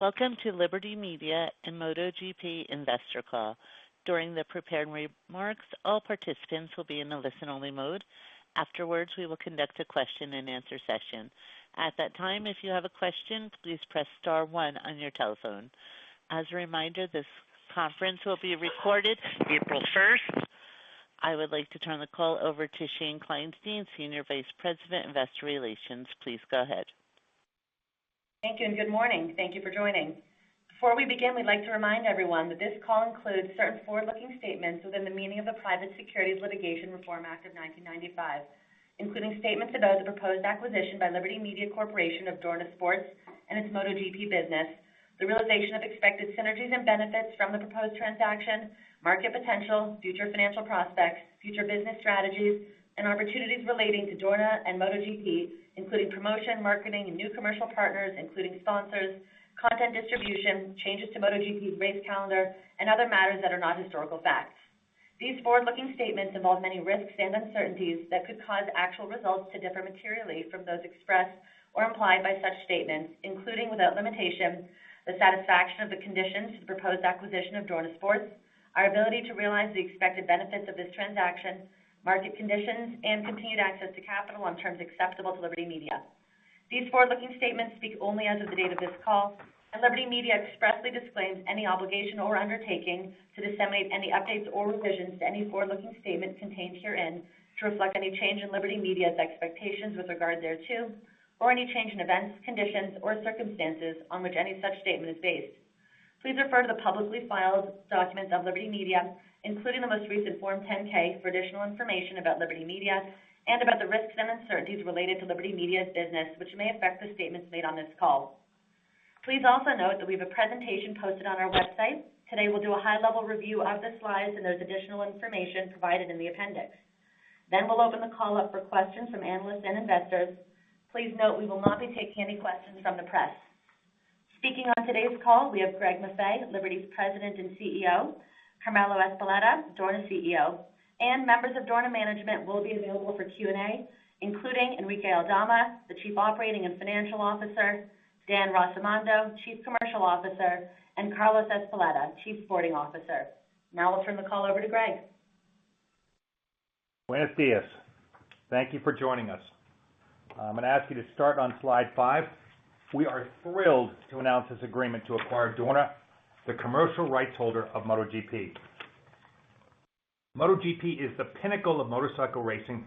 Welcome to Liberty Media and MotoGP Investor Call. During the prepared remarks, all participants will be in a listen-only mode. Afterwards, we will conduct a question-and-answer session. At that time, if you have a question, please press star one on your telephone. As a reminder, this conference will be recorded April 1st. I would like to turn the call over to Shane Kleinstein, Senior Vice President, Investor Relations. Please go ahead. Thank you, and good morning. Thank you for joining. Before we begin, we'd like to remind everyone that this call includes certain forward-looking statements within the meaning of the Private Securities Litigation Reform Act of 1995, including statements about the proposed acquisition by Liberty Media Corporation of Dorna Sports and its MotoGP business, the realization of expected synergies and benefits from the proposed transaction, market potential, future financial prospects, future business strategies, and opportunities relating to Dorna and MotoGP, including promotion, marketing, and new commercial partners, including sponsors, content distribution, changes to MotoGP's race calendar, and other matters that are not historical facts. These forward-looking statements involve many risks and uncertainties that could cause actual results to differ materially from those expressed or implied by such statements, including, without limitation, the satisfaction of the conditions for the proposed acquisition of Dorna Sports, our ability to realize the expected benefits of this transaction, market conditions, and continued access to capital on terms acceptable to Liberty Media. These forward-looking statements speak only as of the date of this call, and Liberty Media expressly disclaims any obligation or undertaking to disseminate any updates or revisions to any forward-looking statement contained herein to reflect any change in Liberty Media's expectations with regard thereto, or any change in events, conditions, or circumstances on which any such statement is based. Please refer to the publicly filed documents of Liberty Media, including the most recent Form 10-K, for additional information about Liberty Media and about the risks and uncertainties related to Liberty Media's business, which may affect the statements made on this call. Please also note that we have a presentation posted on our website. Today, we'll do a high-level review of the slides and those additional information provided in the appendix. Then we'll open the call up for questions from analysts and investors. Please note we will not be taking any questions from the press. Speaking on today's call, we have Greg Maffei, Liberty's President and CEO; Carmelo Ezpeleta, Dorna CEO; and members of Dorna management will be available for Q&A, including Enrique Aldama, the Chief Operating and Financial Officer; Dan Rossomondo, Chief Commercial Officer; and Carlos Ezpeleta, Chief Sporting Officer. Now I'll turn the call over to Greg. Buenos días. Thank you for joining us. I'm going to ask you to start on slide 5. We are thrilled to announce this agreement to acquire Dorna, the commercial rights holder of MotoGP. MotoGP is the pinnacle of motorcycle racing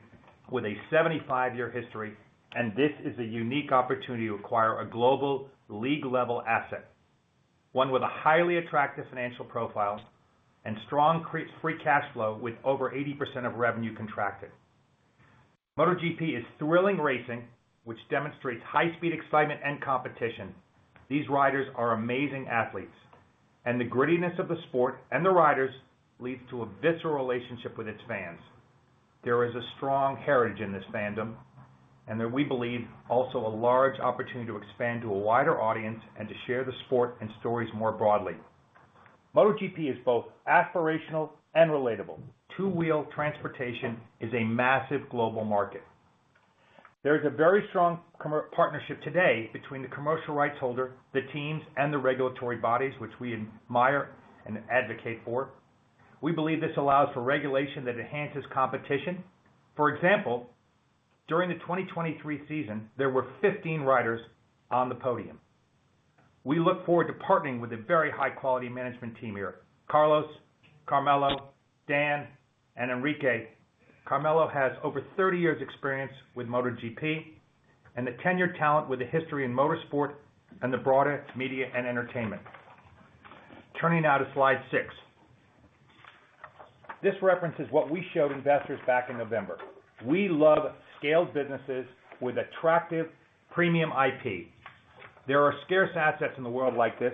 with a 75-year history, and this is a unique opportunity to acquire a global league-level asset, one with a highly attractive financial profile and strong free cash flow with over 80% of revenue contracted. MotoGP is thrilling racing, which demonstrates high-speed excitement and competition. These riders are amazing athletes, and the grittiness of the sport and the riders leads to a visceral relationship with its fans. There is a strong heritage in this fandom, and there we believe also a large opportunity to expand to a wider audience and to share the sport and stories more broadly. MotoGP is both aspirational and relatable. Two-wheel transportation is a massive global market. There is a very strong partnership today between the commercial rights holder, the teams, and the regulatory bodies, which we admire and advocate for. We believe this allows for regulation that enhances competition. For example, during the 2023 season, there were 15 riders on the podium. We look forward to partnering with a very high-quality management team here: Carlos, Carmelo, Dan, and Enrique. Carmelo has over 30 years' experience with MotoGP and a tenured talent with a history in motorsport and the broader media and entertainment. Turning now to Slide 6. This references what we showed investors back in November. We love scaled businesses with attractive premium IP. There are scarce assets in the world like this,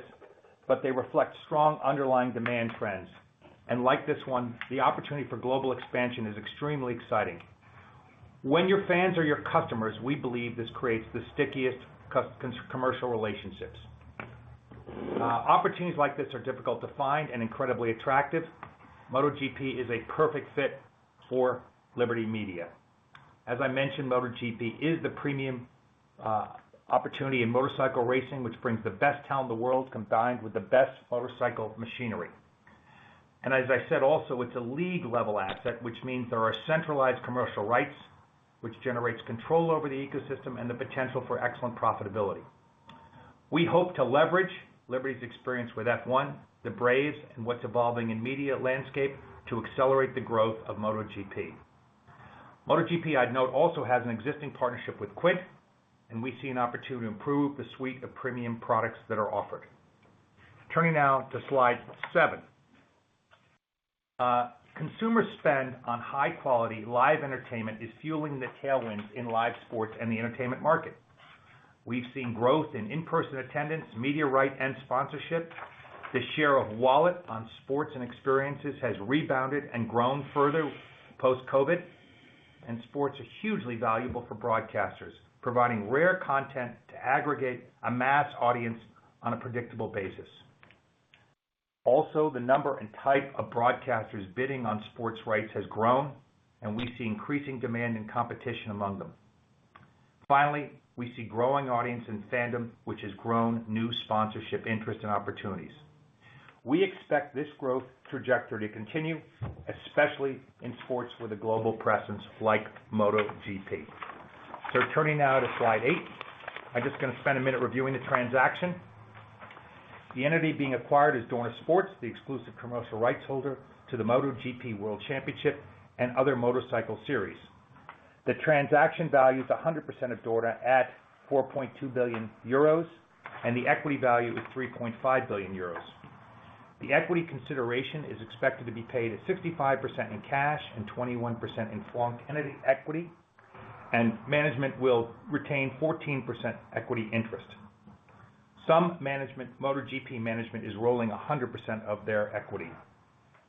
but they reflect strong underlying demand trends. Like this one, the opportunity for global expansion is extremely exciting. When your fans are your customers, we believe this creates the stickiest commercial relationships. Opportunities like this are difficult to find and incredibly attractive. MotoGP is a perfect fit for Liberty Media. As I mentioned, MotoGP is the premium opportunity in motorcycle racing, which brings the best talent in the world combined with the best motorcycle machinery. And as I said also, it's a league-level asset, which means there are centralized commercial rights, which generates control over the ecosystem and the potential for excellent profitability. We hope to leverage Liberty's experience with F1, the Braves, and what's evolving in the media landscape to accelerate the growth of MotoGP. MotoGP, I'd note, also has an existing partnership with Quint, and we see an opportunity to improve the suite of premium products that are offered. Turning now to slide 7. Consumer spend on high-quality live entertainment is fueling the tailwinds in live sports and the entertainment market. We've seen growth in in-person attendance, media rights, and sponsorship. The share of wallet on sports and experiences has rebounded and grown further post-COVID, and sports are hugely valuable for broadcasters, providing rare content to aggregate a mass audience on a predictable basis. Also, the number and type of broadcasters bidding on sports rights has grown, and we see increasing demand and competition among them. Finally, we see growing audience and fandom, which has grown new sponsorship interest and opportunities. We expect this growth trajectory to continue, especially in sports with a global presence like MotoGP. So turning now to slide 8. I'm just going to spend a minute reviewing the transaction. The entity being acquired is Dorna Sports, the exclusive commercial rights holder to the MotoGP World Championship and other motorcycle series. The transaction value is 100% of Dorna at 4.2 billion euros, and the equity value is 3.5 billion euros. The equity consideration is expected to be paid at 65% in cash and 21% in Quint entity equity, and management will retain 14% equity interest. Some MotoGP management is rolling 100% of their equity.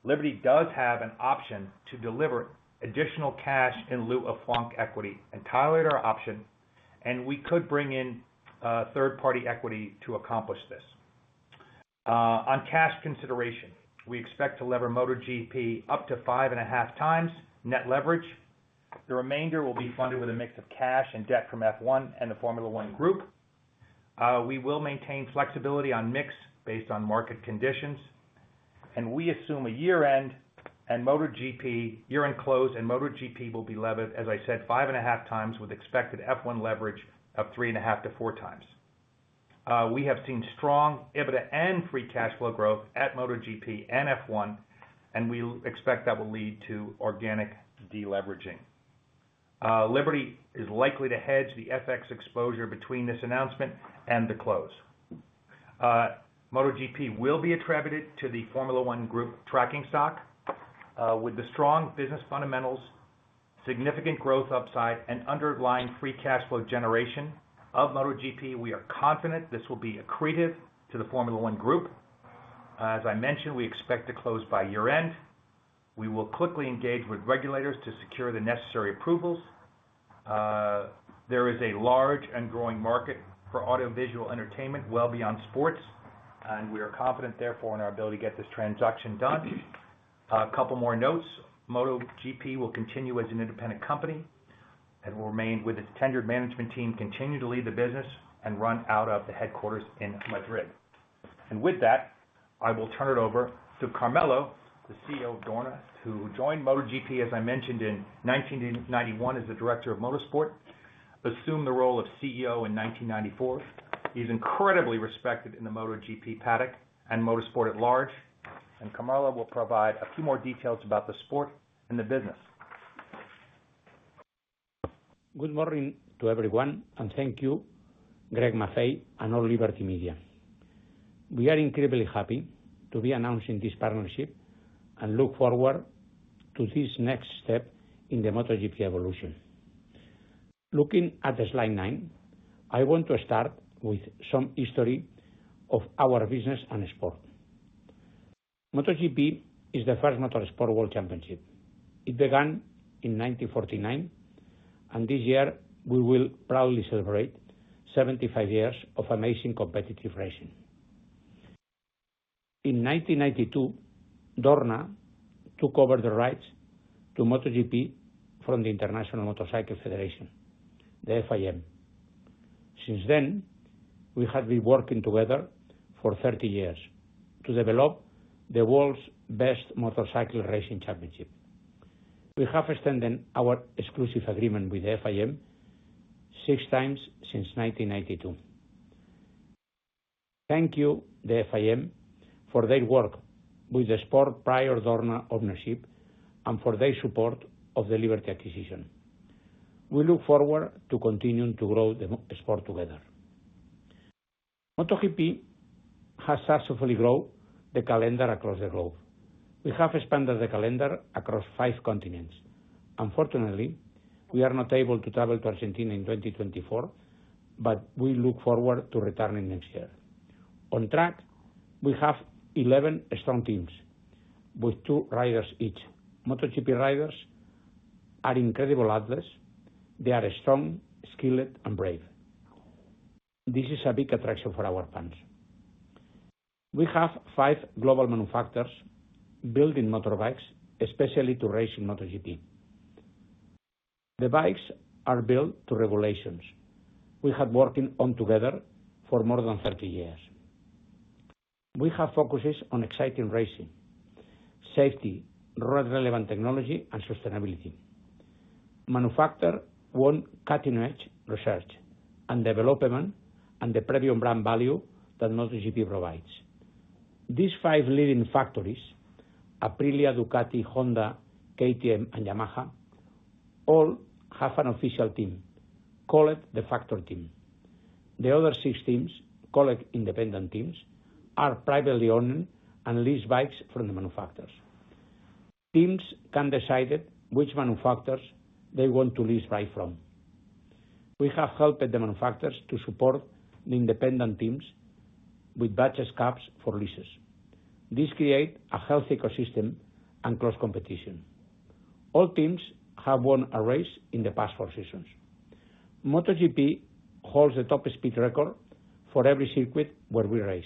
Liberty does have an option to deliver additional cash in lieu of Quint equity and settle our option, and we could bring in third-party equity to accomplish this. On cash consideration, we expect to lever MotoGP up to 5.5x net leverage. The remainder will be funded with a mix of cash and debt from F1 and the Formula One Group. We will maintain flexibility on mix based on market conditions, and we assume a year-end and MotoGP year-end close and MotoGP will be leveraged, as I said, 5.5x with expected F1 leverage of 3.5x-4x. We have seen strong EBITDA and free cash flow growth at MotoGP and F1, and we expect that will lead to organic deleveraging. Liberty is likely to hedge the FX exposure between this announcement and the close. MotoGP will be attributed to the Formula One Group tracking stock. With the strong business fundamentals, significant growth upside, and underlying free cash flow generation of MotoGP, we are confident this will be accretive to the Formula One Group. As I mentioned, we expect to close by year-end. We will quickly engage with regulators to secure the necessary approvals. There is a large and growing market for audiovisual entertainment well beyond sports, and we are confident, therefore, in our ability to get this transaction done. A couple more notes. MotoGP will continue as an independent company and will remain with its tenured management team continue to lead the business and run out of the headquarters in Madrid. With that, I will turn it over to Carmelo, the CEO of Dorna, who joined MotoGP, as I mentioned, in 1991 as the Director of Motorsport, assumed the role of CEO in 1994. He's incredibly respected in the MotoGP paddock and motorsport at large. Carmelo will provide a few more details about the sport and the business. Good morning to everyone, and thank you, Greg Maffei, and all Liberty Media. We are incredibly happy to be announcing this partnership and look forward to this next step in the MotoGP evolution. Looking at slide 9, I want to start with some history of our business and sport. MotoGP is the first motorsport world championship. It began in 1949, and this year we will proudly celebrate 75 years of amazing competitive racing. In 1992, Dorna took over the rights to MotoGP from the International Motorcycle Federation, the FIM. Since then, we have been working together for 30 years to develop the world's best motorcycle racing championship. We have extended our exclusive agreement with the FIM six times since 1992. Thank you, the FIM, for their work with the sport prior Dorna ownership and for their support of the Liberty acquisition. We look forward to continuing to grow the sport together. MotoGP has successfully grown the calendar across the globe. We have expanded the calendar across five continents. Unfortunately, we are not able to travel to Argentina in 2024, but we look forward to returning next year. On track, we have 11 strong teams with two riders each. MotoGP riders are incredible athletes. They are strong, skilled, and brave. This is a big attraction for our fans. We have five global manufacturers building motorbikes, especially to race in MotoGP. The bikes are built to regulations. We have been working on them together for more than 30 years. We have focuses on exciting racing, safety, road-relevant technology, and sustainability. Manufacturers want cutting-edge research and development and the premium brand value that MotoGP provides. These five leading factories, Aprilia, Ducati, Honda, KTM, and Yamaha, all have an official team. Call it the factory team. The other six teams, called independent teams, are privately owned and lease bikes from the manufacturers. Teams can decide which manufacturers they want to lease bikes from. We have helped the manufacturers to support the independent teams with batches of CapEx for leases. This creates a healthy ecosystem and close competition. All teams have won a race in the past four seasons. MotoGP holds the top speed record for every circuit where we race,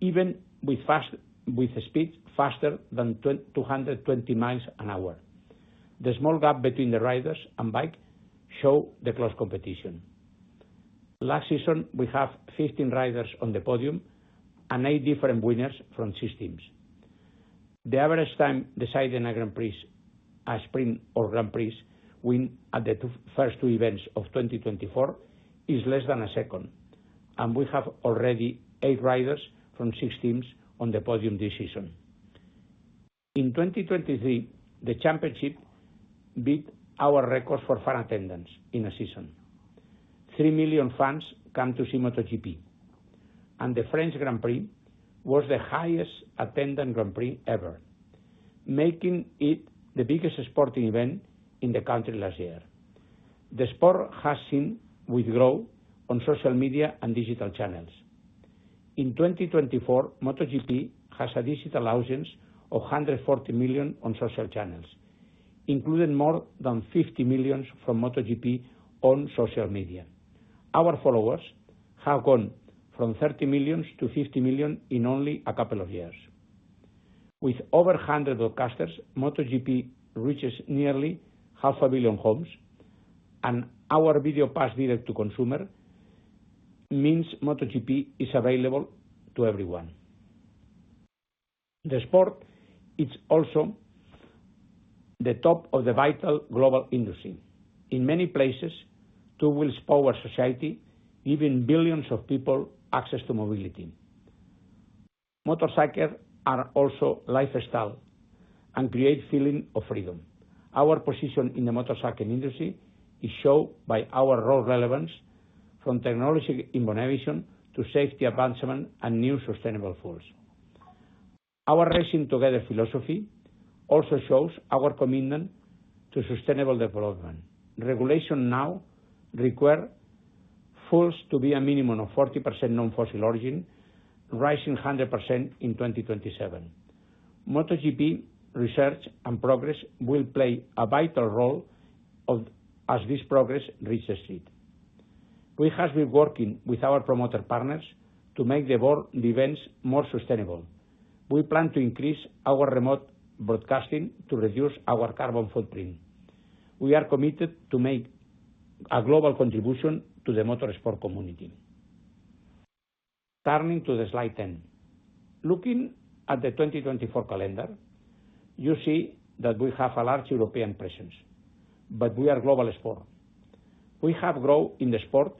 even with speeds faster than 220 mi an hour. The small gap between the riders and bikes shows the close competition. Last season, we had 15 riders on the podium and eight different winners from six teams. The average time deciding a Grand Prix, a Sprint, or Grand Prix win at the first two events of 2024 is less than a second, and we have already eight riders from six teams on the podium this season. In 2023, the championship beat our records for fan attendance in a season. 3 million fans came to see MotoGP, and the French Grand Prix was the highest-attended Grand Prix ever, making it the biggest sporting event in the country last year. The sport has seen growth on social media and digital channels. In 2024, MotoGP has a digital audience of 140 million on social channels, including more than 50 million from MotoGP on social media. Our followers have gone from 30 million to 50 million in only a couple of years. With over 100 broadcasters, MotoGP reaches nearly 500 million homes, and our VideoPasses directly to consumers, meaning MotoGP is available to everyone. The sport is also the top of the vital global industry. In many places, two wheels power society, giving billions of people access to mobility. Motorcyclists are also lifestyles and create a feeling of freedom. Our position in the motorcycle industry is shown by our role relevance, from technology in innovation to safety advancements and new sustainable fuels. Our racing together philosophy also shows our commitment to sustainable development. Regulations now require fuels to be a minimum of 40% non-fossil origin, rising 100% in 2027. MotoGP research and progress will play a vital role as this progress reaches its peak. We have been working with our promoter partners to make the events more sustainable. We plan to increase our remote broadcasting to reduce our carbon footprint. We are committed to making a global contribution to the motorsport community. Turning to slide 10. Looking at the 2024 calendar, you see that we have a large European presence, but we are a global sport. We have grown in the sport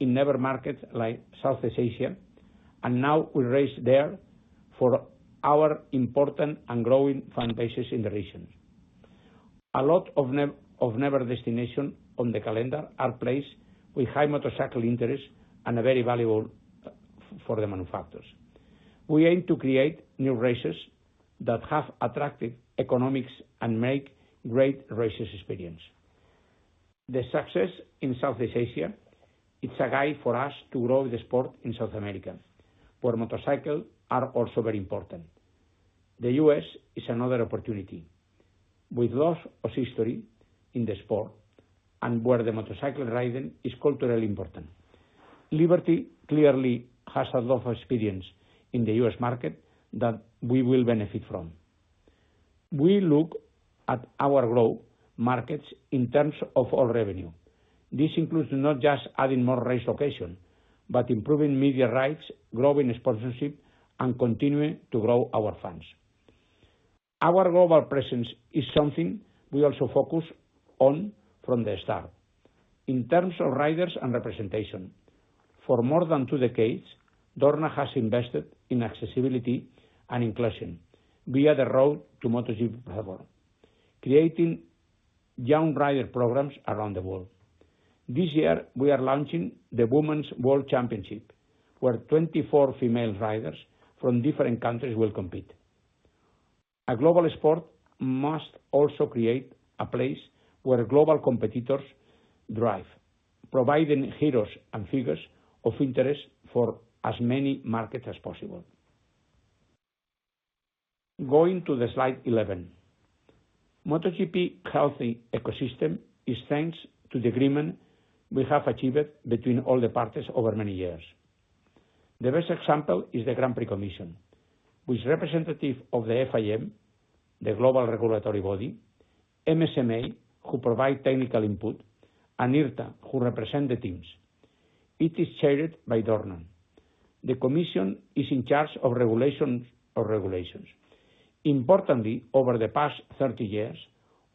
in neighboring markets like Southeast Asia, and now we race there for our important and growing fan bases in the region. A lot of neighboring destinations on the calendar are places with high motorcycle interest and are very valuable for the manufacturers. We aim to create new races that have attractive economics and make great racing experiences. The success in Southeast Asia is a guide for us to grow the sport in South America, where motorcycles are also very important. The U.S. is another opportunity, with lots of history in the sport and where motorcycle riding is culturally important. Liberty clearly has a lot of experience in the U.S. market that we will benefit from. We look at our growth markets in terms of all revenue. This includes not just adding more race locations, but improving media rights, growing sponsorship, and continuing to grow our fans. Our global presence is something we also focused on from the start. In terms of riders and representation, for more than two decades, Dorna has invested in accessibility and inclusion via the Road to MotoGP platform, creating young rider programs around the world. This year, we are launching the Women's World Championship, where 24 female riders from different countries will compete. A global sport must also create a place where global competitors drive, providing heroes and figures of interest for as many markets as possible. Going to slide 11. MotoGP's healthy ecosystem is thanks to the agreement we have achieved between all the parties over many years. The best example is the Grand Prix Commission, which is representative of the FIM, the global regulatory body, MSMA, who provide technical input, and IRTA, who represent the teams. It is chaired by Dorna. The Commission is in charge of regulations. Importantly, over the past 30 years,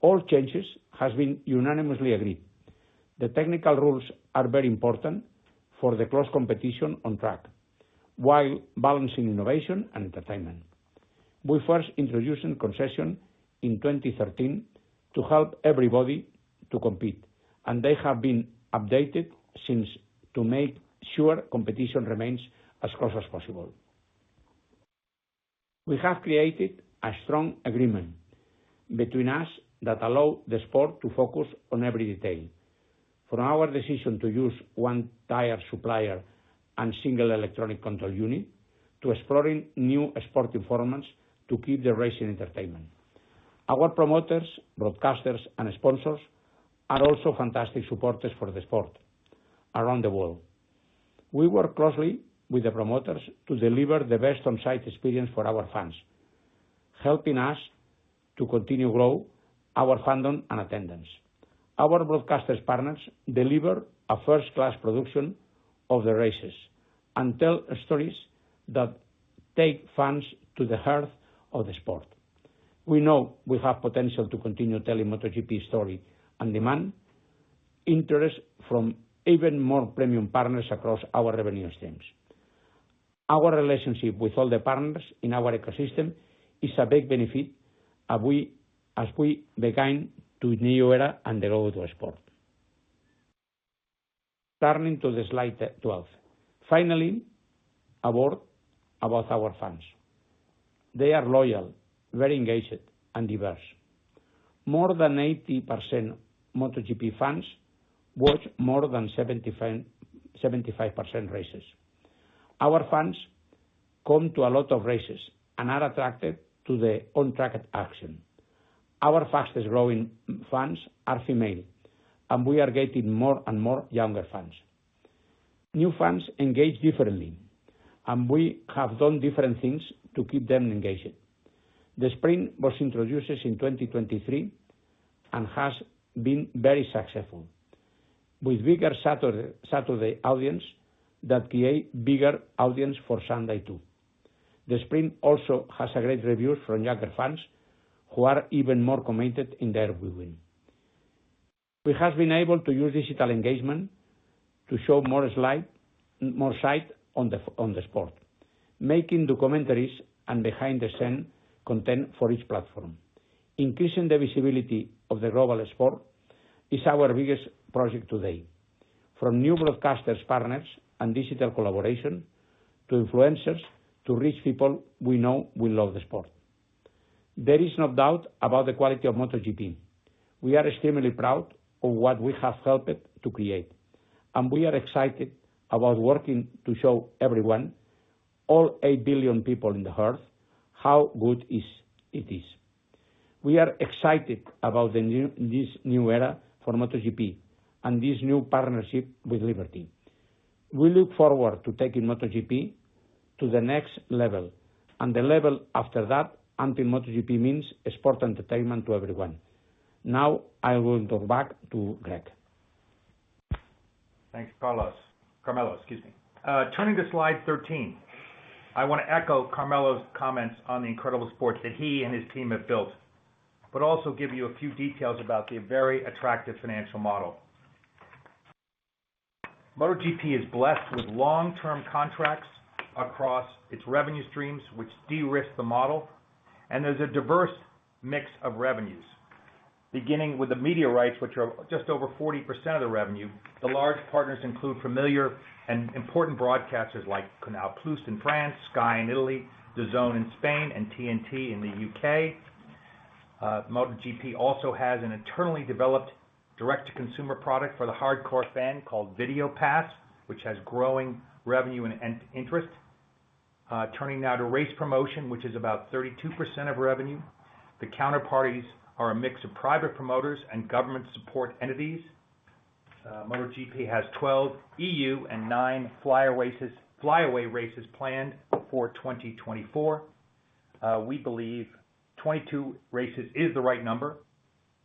all changes have been unanimously agreed. The technical rules are very important for the close competition on track while balancing innovation and entertainment. We first introduced concessions in 2013 to help everybody compete, and they have been updated since to make sure competition remains as close as possible. We have created a strong agreement between us that allows the sport to focus on every detail, from our decision to use one tire supplier and a single electronic control unit to exploring new sporting formats to keep the race in entertainment. Our promoters, broadcasters, and sponsors are also fantastic supporters for the sport around the world. We work closely with the promoters to deliver the best on-site experience for our fans, helping us to continue to grow our fandom and attendance. Our broadcaster partners deliver a first-class production of the races and tell stories that take fans to the heart of the sport. We know we have the potential to continue telling the MotoGP story and demand interest from even more premium partners across our revenue streams. Our relationship with all the partners in our ecosystem is a big benefit as we begin a new era and grow the sport. Turning to slide 12. Finally, a word about our fans. They are loyal, very engaged, and diverse. More than 80% of MotoGP fans watch more than 75% of races. Our fans come to a lot of races and are attracted to the on-track action. Our fastest-growing fans are female, and we are getting more and more younger fans. New fans engage differently, and we have done different things to keep them engaged. The Sprint was introduced in 2023 and has been very successful, with a bigger Saturday audience that creates a bigger audience for Sunday too. The Sprint also has great reviews from younger fans, who are even more committed to the airplane. We have been able to use digital engagement to show more light on the sport, making documentaries and behind-the-scenes content for each platform. Increasing the visibility of the global sport is our biggest project today, from new broadcaster partners and digital collaboration to influencers to reach people we know will love the sport. There is no doubt about the quality of MotoGP. We are extremely proud of what we have helped to create, and we are excited about working to show everyone, all 8 billion people on the earth, how good it is. We are excited about this new era for MotoGP and this new partnership with Liberty. We look forward to taking MotoGP to the next level and the level after that, until MotoGP means sport and entertainment to everyone. Now, I will turn back to Greg. Thanks, Carlos. Carmelo, excuse me. Turning to slide 13, I want to echo Carmelo's comments on the incredible sport that he and his team have built, but also give you a few details about the very attractive financial model. MotoGP is blessed with long-term contracts across its revenue streams, which de-risk the model, and there's a diverse mix of revenues. Beginning with the media rights, which are just over 40% of the revenue, the large partners include familiar and important broadcasters like Canal+ in France, Sky in Italy, DAZN in Spain, and TNT in the UK. MotoGP also has an internally developed direct-to-consumer product for the hardcore fan called VideoPass, which has growing revenue and interest. Turning now to race promotion, which is about 32% of revenue. The counterparties are a mix of private promoters and government support entities. MotoGP has 12 EU and nine flyaway races planned for 2024. We believe 22 races is the right number,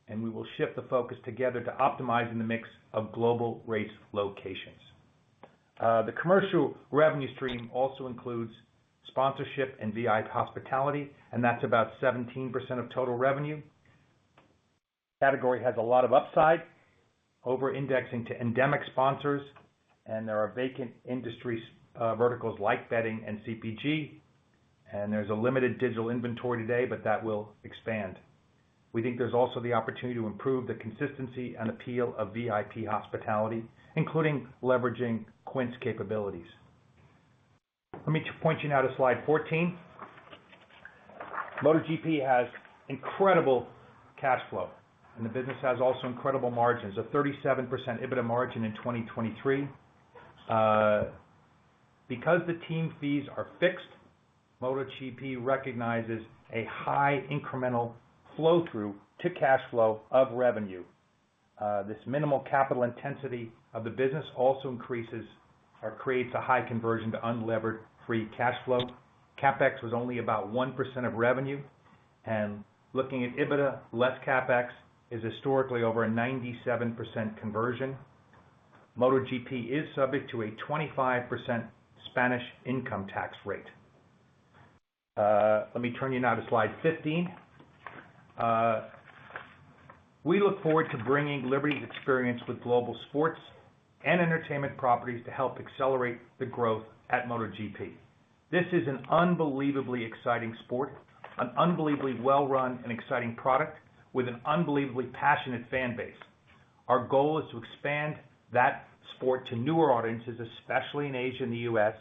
and we will shift the focus together to optimize the mix of global race locations. The commercial revenue stream also includes sponsorship and VIP hospitality, and that's about 17% of total revenue. The category has a lot of upside over indexing to endemic sponsors, and there are vacant industry verticals like betting and CPG. There's a limited digital inventory today, but that will expand. We think there's also the opportunity to improve the consistency and appeal of VIP hospitality, including leveraging Quint's capabilities. Let me point you now to slide 14. MotoGP has incredible cash flow, and the business has also incredible margins, a 37% EBITDA margin in 2023. Because the team fees are fixed, MotoGP recognizes a high incremental flow-through to cash flow of revenue. This minimal capital intensity of the business also creates a high conversion to unlevered, free cash flow. CapEx was only about 1% of revenue, and looking at EBITDA, less CapEx is historically over a 97% conversion. MotoGP is subject to a 25% Spanish income tax rate. Let me turn you now to slide 15. We look forward to bringing Liberty's experience with global sports and entertainment properties to help accelerate the growth at MotoGP. This is an unbelievably exciting sport, an unbelievably well-run and exciting product with an unbelievably passionate fan base. Our goal is to expand that sport to newer audiences, especially in Asia and the U.S.,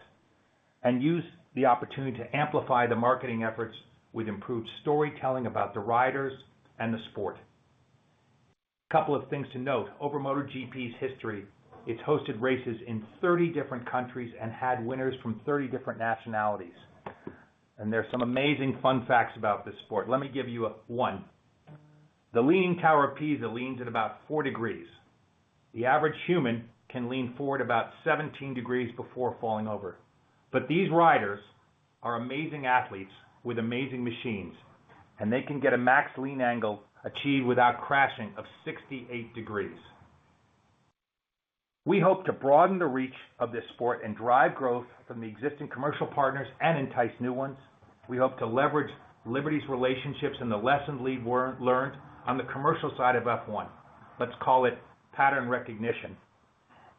and use the opportunity to amplify the marketing efforts with improved storytelling about the riders and the sport. A couple of things to note over MotoGP's history. It's hosted races in 30 different countries and had winners from 30 different nationalities. There are some amazing fun facts about this sport. Let me give you one. The Leaning Tower of Pisa leans at about 4 degrees. The average human can lean forward about 17 degrees before falling over. But these riders are amazing athletes with amazing machines, and they can get a max lean angle achieved without crashing of 68 degrees. We hope to broaden the reach of this sport and drive growth from the existing commercial partners and entice new ones. We hope to leverage Liberty's relationships and the lessons learned on the commercial side of F1. Let's call it pattern recognition.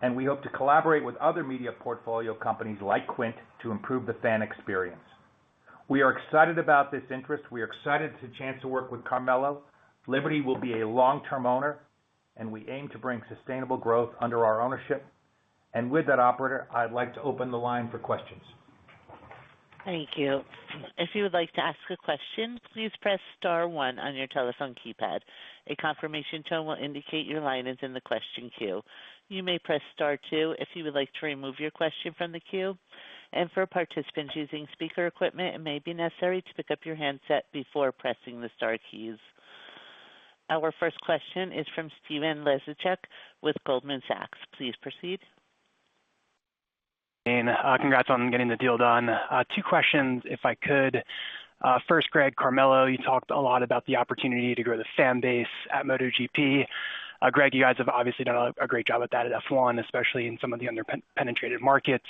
And we hope to collaborate with other media portfolio companies like Quint to improve the fan experience. We are excited about this interest. We are excited to have the chance to work with Carmelo. Liberty will be a long-term owner, and we aim to bring sustainable growth under our ownership. With that, operator, I'd like to open the line for questions. Thank you. If you would like to ask a question, please press star one on your telephone keypad. A confirmation tone will indicate your line is in the question queue. You may press star two if you would like to remove your question from the queue. For participants using speaker equipment, it may be necessary to pick up your handset before pressing the star keys. Our first question is from Stephen Laszczyk with Goldman Sachs. Please proceed. Congrats on getting the deal done. Two questions, if I could. First, Greg, Carmelo, you talked a lot about the opportunity to grow the fan base at MotoGP. Greg, you guys have obviously done a great job at that at F1, especially in some of the under-penetrated markets.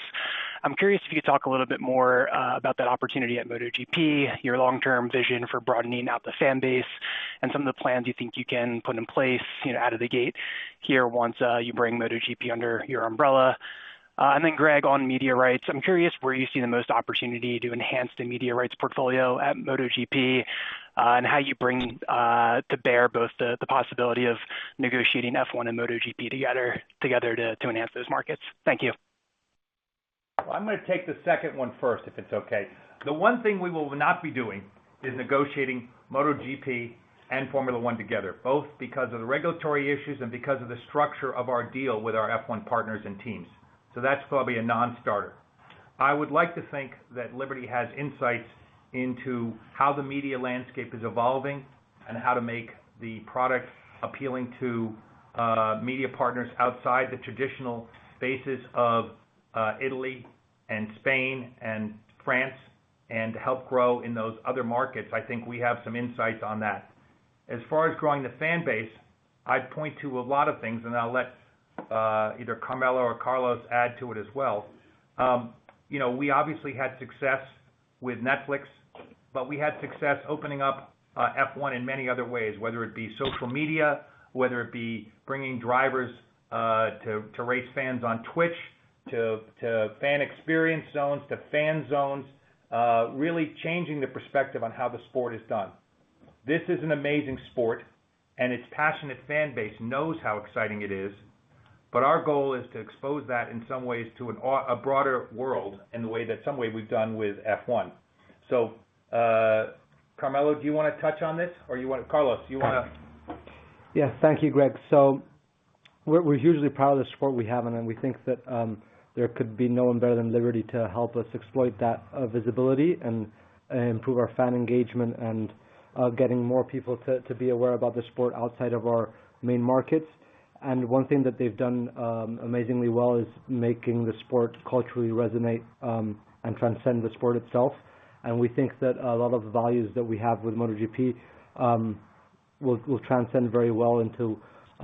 I'm curious if you could talk a little bit more about that opportunity at MotoGP, your long-term vision for broadening out the fan base, and some of the plans you think you can put in place out of the gate here once you bring MotoGP under your umbrella. And then, Greg, on media rights, I'm curious where you see the most opportunity to enhance the media rights portfolio at MotoGP and how you bring to bear both the possibility of negotiating F1 and MotoGP together to enhance those markets. Thank you. Well, I'm going to take the second one first, if it's okay. The one thing we will not be doing is negotiating MotoGP and Formula One together, both because of the regulatory issues and because of the structure of our deal with our F1 partners and teams. So that's probably a nonstarter. I would like to think that Liberty has insights into how the media landscape is evolving and how to make the product appealing to media partners outside the traditional bases of Italy and Spain and France and to help grow in those other markets. I think we have some insights on that. As far as growing the fan base, I'd point to a lot of things, and I'll let either Carmelo or Carlos add to it as well. We obviously had success with Netflix, but we had success opening up F1 in many other ways, whether it be social media, whether it be bringing drivers to race fans on Twitch, to fan experience zones, to fan zones, really changing the perspective on how the sport is done. This is an amazing sport, and its passionate fan base knows how exciting it is. But our goal is to expose that in some ways to a broader world in the way that some way we've done with F1. So, Carmelo, do you want to touch on this, or do you want to Carlos, do you want to? Yeah. Thank you, Greg. So we're hugely proud of the sport we have, and we think that there could be no one better than Liberty to help us exploit that visibility and improve our fan engagement and getting more people to be aware about the sport outside of our main markets. And one thing that they've done amazingly well is making the sport culturally resonate and transcend the sport itself. And we think that a lot of the values that we have with MotoGP will transcend very well into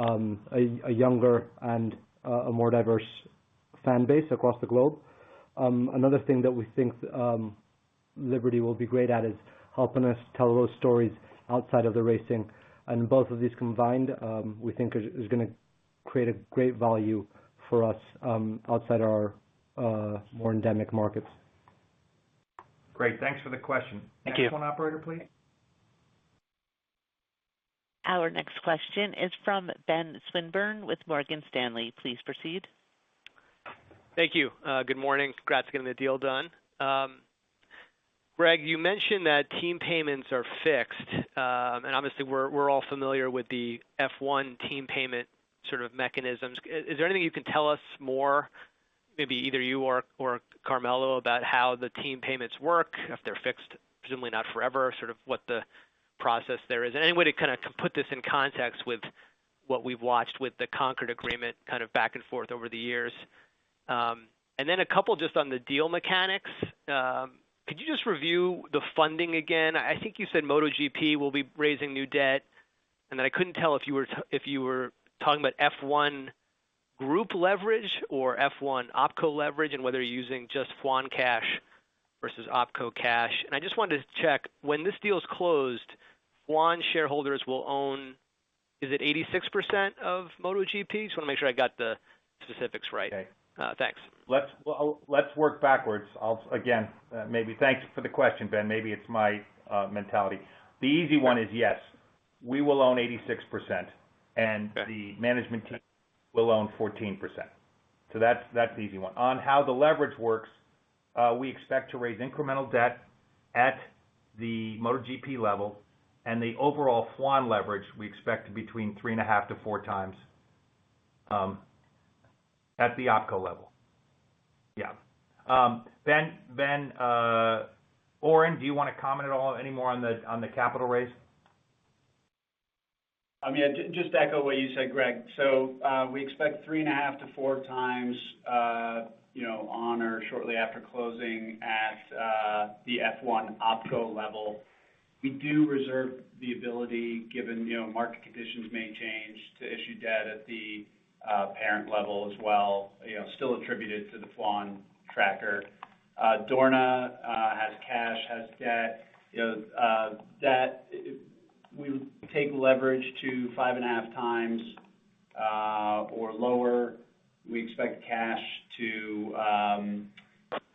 a younger and a more diverse fan base across the globe. Another thing that we think Liberty will be great at is helping us tell those stories outside of the racing. And both of these combined, we think, is going to create a great value for us outside our more endemic markets. Great. Thanks for the question. Next one, operator, please. Our next question is from Ben Swinburne with Morgan Stanley. Please proceed. Thank you. Good morning. Congrats on getting the deal done. Greg, you mentioned that team payments are fixed. And obviously, we're all familiar with the F1 team payment sort of mechanisms. Is there anything you can tell us more, maybe either you or Carmelo, about how the team payments work, if they're fixed, presumably not forever, sort of what the process there is, and any way to kind of put this in context with what we've watched with the Concorde Agreement kind of back and forth over the years? And then a couple just on the deal mechanics. Could you just review the funding again? I think you said MotoGP will be raising new debt, and then I couldn't tell if you were talking about F1 Group leverage or F1 OpCo leverage and whether you're using just FWON cash versus OpCo cash. I just wanted to check, when this deal is closed, FWON shareholders will own, is it 86% of MotoGP? Just want to make sure I got the specifics right. Thanks. Let's work backwards. Again, maybe thanks for the question, Ben. Maybe it's my mentality. The easy one is yes. We will own 86%, and the management team will own 14%. So that's the easy one. On how the leverage works, we expect to raise incremental debt at the MotoGP level, and the overall FWON leverage, we expect between 3.5-4x at the OpCo level. Yeah. Ben Oren, do you want to comment at all anymore on the capital raise? I mean, just to echo what you said, Greg, so we expect 3.5x-4x on or shortly after closing at the F1 OpCo level. We do reserve the ability, given market conditions may change, to issue debt at the parent level as well, still attributed to the FWONK tracker. Dorna has cash, has debt. Debt, we take leverage to 5.5x or lower. We expect cash to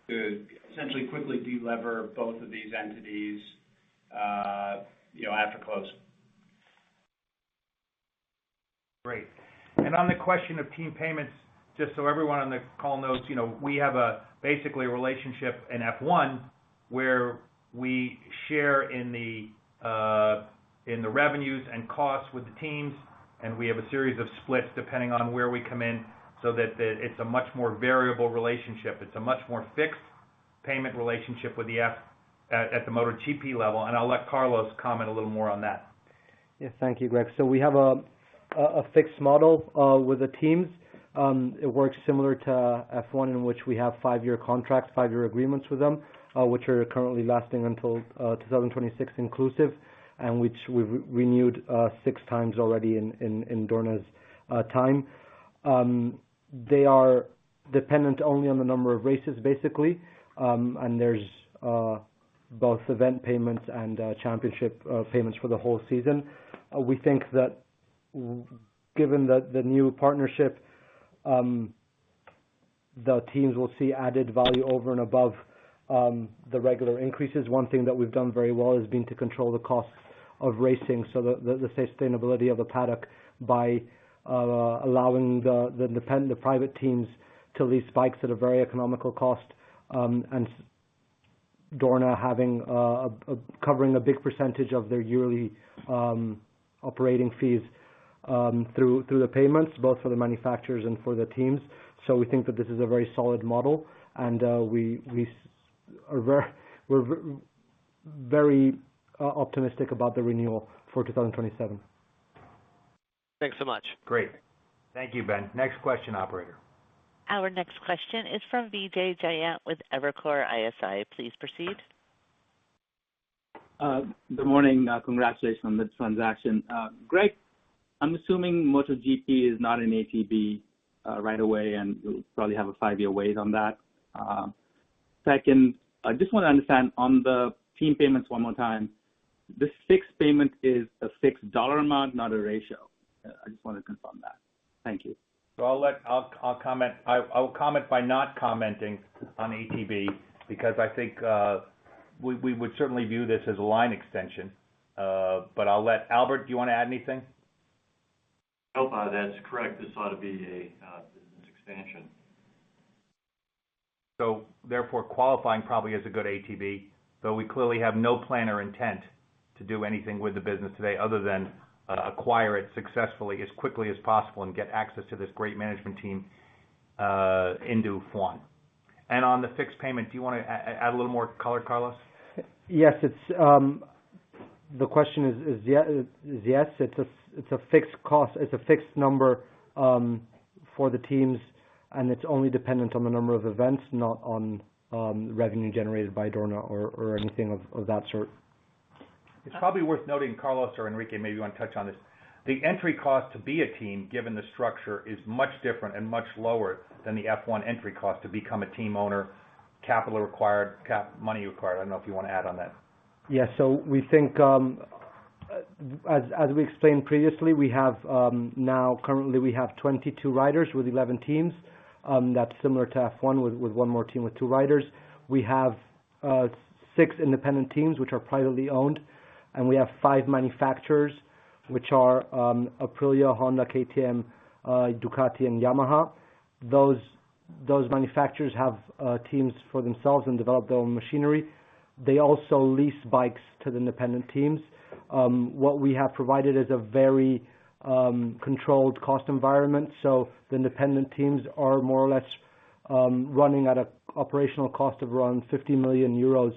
essentially quickly de-lever both of these entities after close. Great. On the question of team payments, just so everyone on the call knows, we have basically a relationship in F1 where we share in the revenues and costs with the teams, and we have a series of splits depending on where we come in so that it's a much more variable relationship. It's a much more fixed payment relationship at the MotoGP level, and I'll let Carlos comment a little more on that. Yes. Thank you, Greg. So we have a fixed model with the teams. It works similar to F1, in which we have five-year contracts, five-year agreements with them, which are currently lasting until 2026 inclusive, and which we've renewed six times already in Dorna's time. They are dependent only on the number of races, basically, and there's both event payments and championship payments for the whole season. We think that given the new partnership, the teams will see added value over and above the regular increases. One thing that we've done very well has been to control the costs of racing so that the sustainability of the paddock by allowing the private teams to lease bikes at a very economical cost and Dorna covering a big percentage of their yearly operating fees through the payments, both for the manufacturers and for the teams. So we think that this is a very solid model, and we're very optimistic about the renewal for 2027. Thanks so much. Great. Thank you, Ben. Next question, operator. Our next question is from Vijay Jayant with Evercore ISI. Please proceed. Good morning. Congratulations on the transaction. Greg, I'm assuming MotoGP is not an ATB right away, and you'll probably have a five-year wait on that. Second, I just want to understand on the team payments one more time. This fixed payment is a fixed dollar amount, not a ratio. I just want to confirm that. Thank you. So I'll comment by not commenting on ATB because I think we would certainly view this as a line extension. But I'll let Albert, do you want to add anything? Nope. That's correct. This ought to be a business expansion. So therefore, qualifying probably is a good ATB, though we clearly have no plan or intent to do anything with the business today other than acquire it successfully as quickly as possible and get access to this great management team into F1. And on the fixed payment, do you want to add a little more color, Carlos? Yes. The question is yes. It's a fixed cost. It's a fixed number for the teams, and it's only dependent on the number of events, not on revenue generated by Dorna or anything of that sort. It's probably worth noting, Carlos or Enrique, maybe you want to touch on this. The entry cost to be a team, given the structure, is much different and much lower than the F1 entry cost to become a team owner, capital required, money required. I don't know if you want to add on that. Yes. So we think, as we explained previously, currently, we have 22 riders with 11 teams. That's similar to F1 with one more team with two riders. We have six independent teams, which are privately owned, and we have five manufacturers, which are Aprilia, Honda, KTM, Ducati, and Yamaha. Those manufacturers have teams for themselves and develop their own machinery. They also lease bikes to the independent teams. What we have provided is a very controlled cost environment, so the independent teams are more or less running at an operational cost of around 50 million euros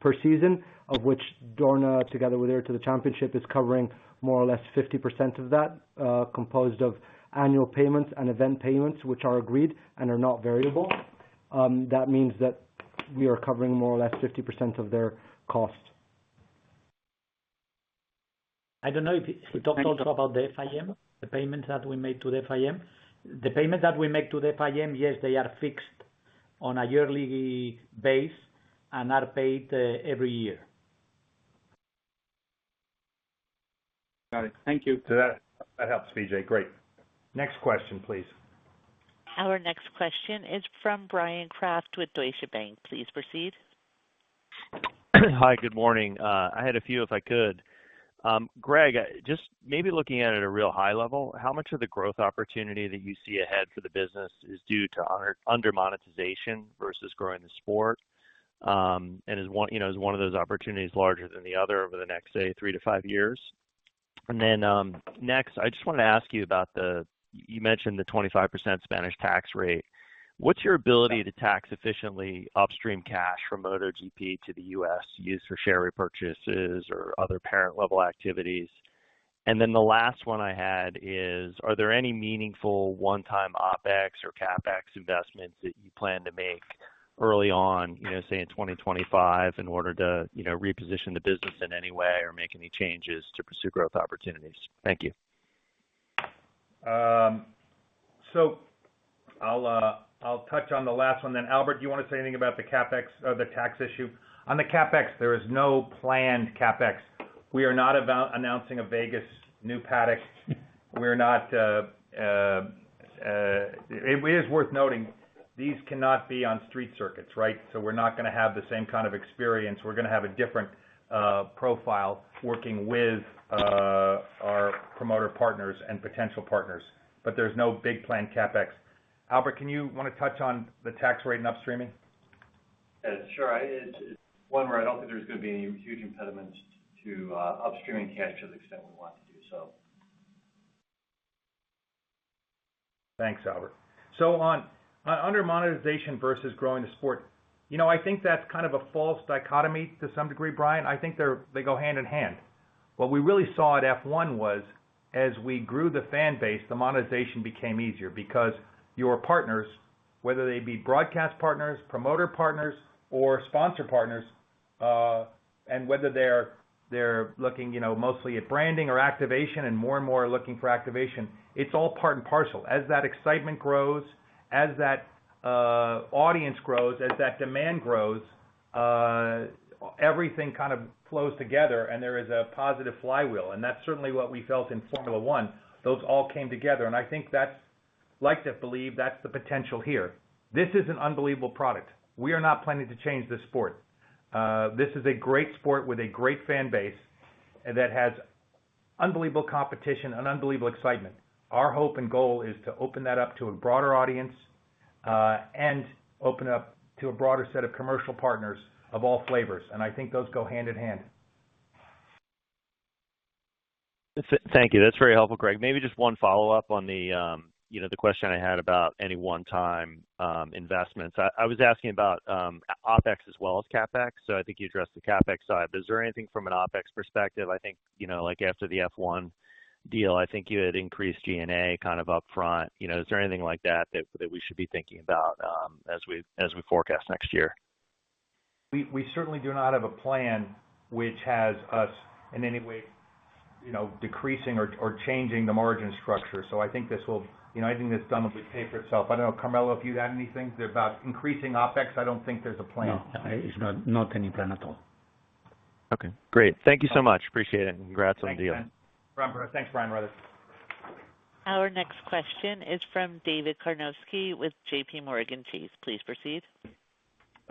per season, of which Dorna, together with IRTA to the championship, is covering more or less 50% of that, composed of annual payments and event payments, which are agreed and are not variable. That means that we are covering more or less 50% of their costs. I don't know if you talked also about the FIM, the payments that we make to the FIM. The payments that we make to the FIM, yes, they are fixed on a yearly basis and are paid every year. Got it. Thank you. So that helps, Vijay. Great. Next question, please. Our next question is from Bryan Kraft with Deutsche Bank. Please proceed. Hi. Good morning. I had a few, if I could. Greg, just maybe looking at it at a real high level, how much of the growth opportunity that you see ahead for the business is due to under-monetization versus growing the sport, and is one of those opportunities larger than the other over the next, say, 3-5 years? And then next, I just wanted to ask you about the you mentioned the 25% Spanish tax rate. What's your ability to tax efficiently upstream cash from MotoGP to the U.S. used for share repurchases or other parent-level activities? And then the last one I had is, are there any meaningful one-time OpEx or CapEx investments that you plan to make early on, say, in 2025, in order to reposition the business in any way or make any changes to pursue growth opportunities? Thank you. So I'll touch on the last one. Then Albert, do you want to say anything about the CapEx or the tax issue? On the CapEx, there is no planned CapEx. We are not announcing a Vegas new paddock. It is worth noting, these cannot be on street circuits, right? So we're not going to have the same kind of experience. We're going to have a different profile working with our promoter partners and potential partners, but there's no big planned CapEx. Albert, do you want to touch on the tax rate and upstreaming? Sure. It's one where I don't think there's going to be any huge impediments to upstreaming cash to the extent we want to do so. Thanks, Albert. So under-monetization versus growing the sport, I think that's kind of a false dichotomy to some degree, Brian. I think they go hand in hand. What we really saw at F1 was, as we grew the fan base, the monetization became easier because your partners, whether they be broadcast partners, promoter partners, or sponsor partners, and whether they're looking mostly at branding or activation and more and more looking for activation, it's all part and parcel. As that excitement grows, as that audience grows, as that demand grows, everything kind of flows together, and there is a positive flywheel. And that's certainly what we felt in Formula One. Those all came together, and I think, like to believe, that's the potential here. This is an unbelievable product. We are not planning to change the sport. This is a great sport with a great fan base that has unbelievable competition and unbelievable excitement. Our hope and goal is to open that up to a broader audience and open up to a broader set of commercial partners of all flavors, and I think those go hand in hand. Thank you. That's very helpful, Greg. Maybe just one follow-up on the question I had about any one-time investments. I was asking about OpEx as well as CapEx, so I think you addressed the CapEx side. But is there anything from an OpEx perspective? I think, after the F1 deal, I think you had increased G&A kind of upfront. Is there anything like that that we should be thinking about as we forecast next year? We certainly do not have a plan which has us in any way decreasing or changing the margin structure. So I think this will I think this definitely will pay for itself. I don't know, Carmelo, if you had anything about increasing OpEx. I don't think there's a plan. No. Not any plan at all. Okay. Great. Thank you so much. Appreciate it. Congrats on the deal. Thanks, Bryan. Thanks, Bryan, brother. Our next question is from David Karnovsky with JPMorgan Chase. Please proceed.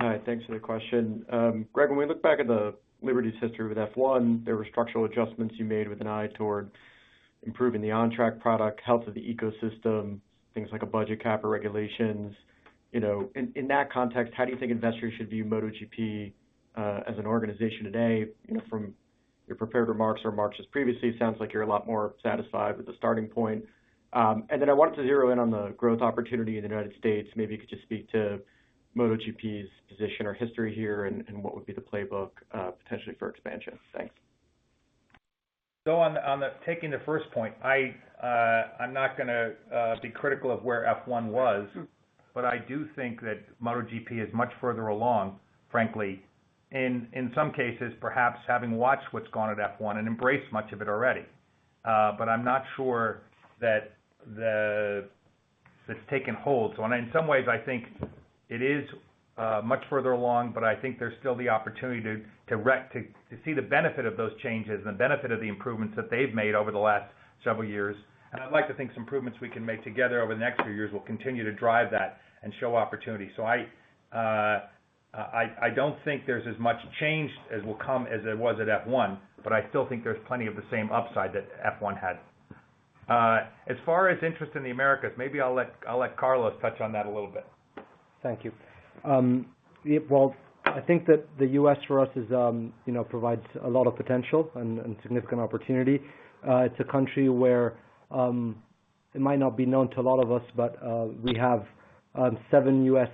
All right. Thanks for the question. Greg, when we look back at the Liberty's history with F1, there were structural adjustments you made with an eye toward improving the on-track product, health of the ecosystem, things like a budget cap or regulations. In that context, how do you think investors should view MotoGP as an organization today? From your prepared remarks or remarks just previously, it sounds like you're a lot more satisfied with the starting point. And then I wanted to zero in on the growth opportunity in the United States. Maybe you could just speak to MotoGP's position or history here and what would be the playbook, potentially, for expansion. Thanks. So taking the first point, I'm not going to be critical of where F1 was, but I do think that MotoGP is much further along, frankly, in some cases, perhaps having watched what's gone at F1 and embraced much of it already. But I'm not sure that it's taken hold. So in some ways, I think it is much further along, but I think there's still the opportunity to see the benefit of those changes and the benefit of the improvements that they've made over the last several years. And I'd like to think some improvements we can make together over the next few years will continue to drive that and show opportunity. So I don't think there's as much change as will come as there was at F1, but I still think there's plenty of the same upside that F1 had. As far as interest in the Americas, maybe I'll let Carlos touch on that a little bit. Thank you. Well, I think that the U.S., for us, provides a lot of potential and significant opportunity. It's a country where it might not be known to a lot of us, but we have seven U.S.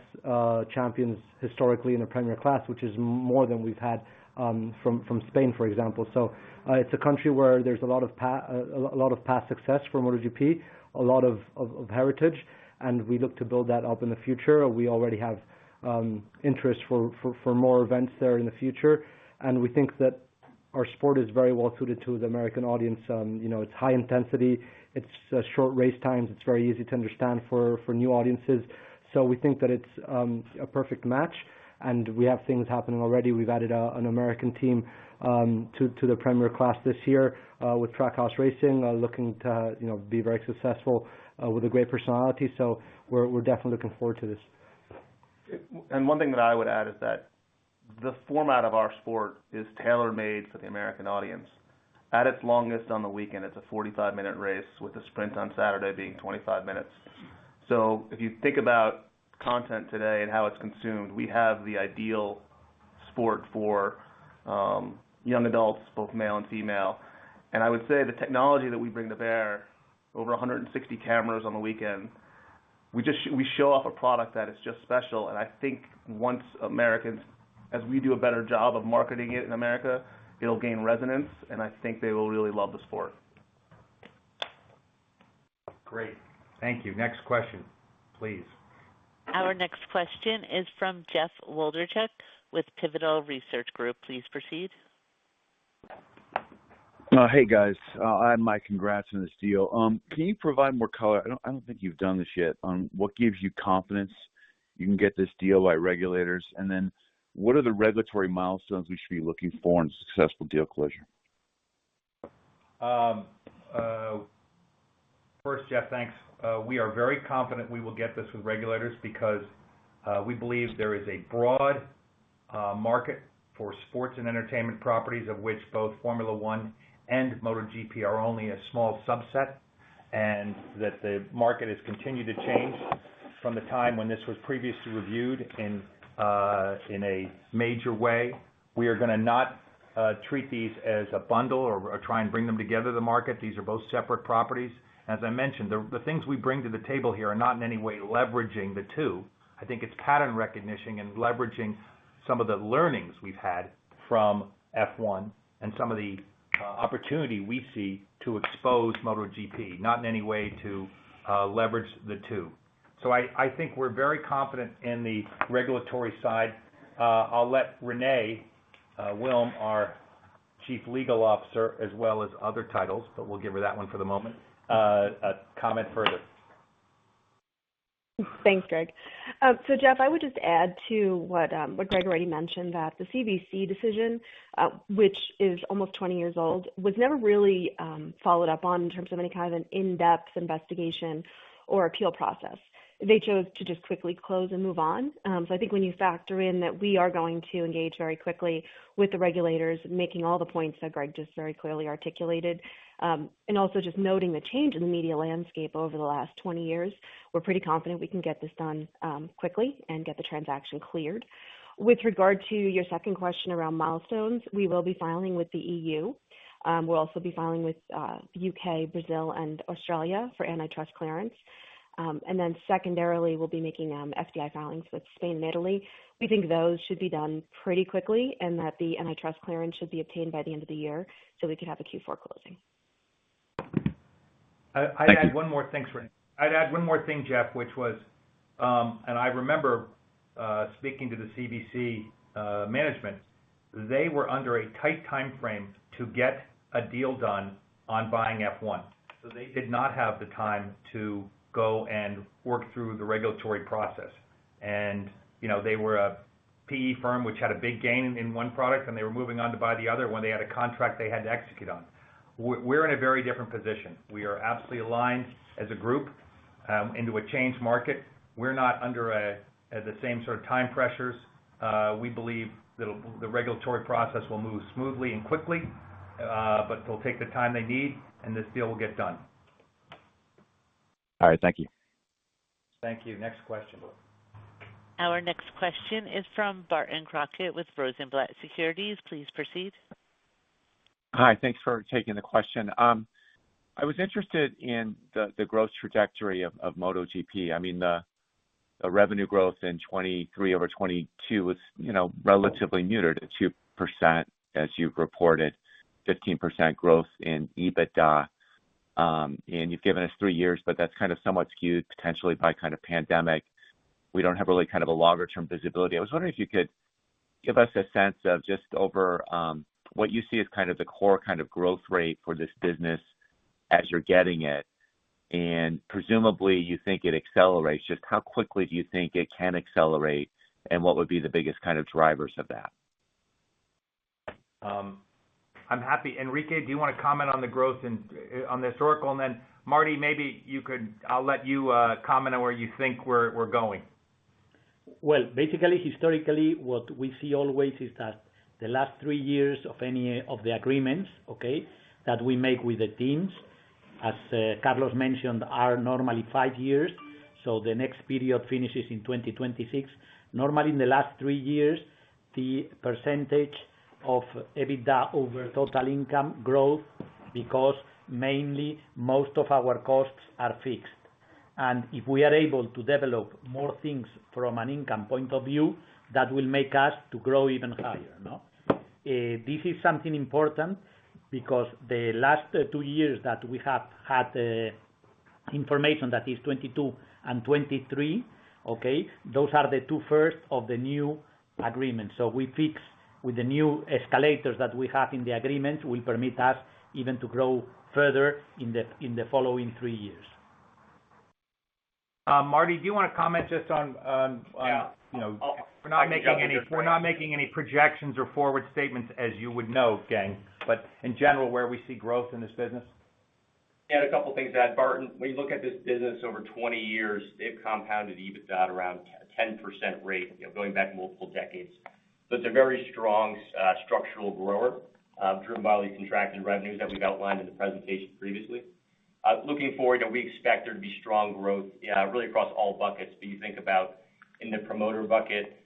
champions historically in the Premier Class, which is more than we've had from Spain, for example. So it's a country where there's a lot of past success for MotoGP, a lot of heritage, and we look to build that up in the future. We already have interest for more events there in the future, and we think that our sport is very well suited to the American audience. It's high intensity. It's short race times. It's very easy to understand for new audiences. So we think that it's a perfect match, and we have things happening already. We've added an American team to the Premier Class this year with Trackhouse Racing, looking to be very successful with a great personality. So we're definitely looking forward to this. And one thing that I would add is that the format of our sport is tailor-made for the American audience. At its longest on the weekend, it's a 45-minute race, with the sprint on Saturday being 25 minutes. So if you think about content today and how it's consumed, we have the ideal sport for young adults, both male and female. And I would say the technology that we bring to bear, over 160 cameras on the weekend, we show off a product that is just special. And I think once Americans as we do a better job of marketing it in America, it'll gain resonance, and I think they will really love the sport. Great. Thank you. Next question, please. Our next question is from Jeff Wlodarczak with Pivotal Research Group. Please proceed. Hey, guys. I add my congrats on this deal. Can you provide more color? I don't think you've done this yet. What gives you confidence you can get this deal by regulators? And then what are the regulatory milestones we should be looking for in successful deal closure? First, Jeff, thanks. We are very confident we will get this with regulators because we believe there is a broad market for sports and entertainment properties, of which both Formula One and MotoGP are only a small subset, and that the market has continued to change from the time when this was previously reviewed in a major way. We are going to not treat these as a bundle or try and bring them together, the market. These are both separate properties. And as I mentioned, the things we bring to the table here are not in any way leveraging the two. I think it's pattern recognition and leveraging some of the learnings we've had from F1 and some of the opportunity we see to expose MotoGP, not in any way to leverage the two. So I think we're very confident in the regulatory side. I'll let Renee Wilm, our Chief Legal Officer, as well as other titles - but we'll give her that one for the moment - comment further. Thanks, Greg. So Jeff, I would just add to what Greg already mentioned that the CVC decision, which is almost 20 years old, was never really followed up on in terms of any kind of an in-depth investigation or appeal process. They chose to just quickly close and move on. So I think when you factor in that we are going to engage very quickly with the regulators, making all the points that Greg just very clearly articulated, and also just noting the change in the media landscape over the last 20 years, we're pretty confident we can get this done quickly and get the transaction cleared. With regard to your second question around milestones, we will be filing with the EU. We'll also be filing with the UK, Brazil, and Australia for antitrust clearance. Then secondarily, we'll be making FDI filings with Spain and Italy. We think those should be done pretty quickly and that the antitrust clearance should be obtained by the end of the year so we could have a Q4 closing. Thank you. I'd add one more thanks, Renee. I'd add one more thing, Jeff, which was, and I remember speaking to the CVC management. They were under a tight timeframe to get a deal done on buying F1. So they did not have the time to go and work through the regulatory process. And they were a PE firm which had a big gain in one product, and they were moving on to buy the other when they had a contract they had to execute on. We're in a very different position. We are absolutely aligned as a group into a changed market. We're not under the same sort of time pressures. We believe that the regulatory process will move smoothly and quickly, but it'll take the time they need, and this deal will get done. All right. Thank you. Thank you. Next question. Our next question is from Barton Crockett with Rosenblatt Securities. Please proceed. Hi. Thanks for taking the question. I was interested in the growth trajectory of MotoGP. I mean, the revenue growth in 2023 over 2022 was relatively muted at 2%, as you've reported, 15% growth in EBITDA. You've given us three years, but that's kind of somewhat skewed, potentially, by kind of pandemic. We don't have really kind of a longer-term visibility. I was wondering if you could give us a sense of just over what you see as kind of the core kind of growth rate for this business as you're getting it, and presumably, you think it accelerates. Just how quickly do you think it can accelerate, and what would be the biggest kind of drivers of that? I'm happy. Enrique, do you want to comment on the growth on the historical? And then, Marty, maybe I'll let you comment on where you think we're going. Well, basically, historically, what we see always is that the last 3 years of the agreements, okay, that we make with the teams, as Carlos mentioned, are normally 5 years. So the next period finishes in 2026. Normally, in the last 3 years, the percentage of EBITDA over total income grows because, mainly, most of our costs are fixed. If we are able to develop more things from an income point of view, that will make us grow even higher, no? This is something important because the last two years that we have had information that is 2022 and 2023, okay, those are the two first of the new agreements. So with the new escalators that we have in the agreements, it will permit us even to grow further in the following three years. Marty, do you want to comment just on we're not making any projections or forward statements, as you would know, gang, but in general, where we see growth in this business? Yeah. I had a couple of things to add. Barton, when you look at this business over 20 years, they've compounded EBITDA at around a 10% rate, going back multiple decades. So it's a very strong structural grower, driven by all these contracted revenues that we've outlined in the presentation previously. Looking forward, we expect there to be strong growth, really, across all buckets. But you think about, in the promoter bucket,